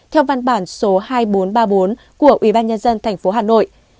theo văn bản số hai nghìn bốn trăm ba mươi bốn của ủy ban nhân dân thành phố hà nội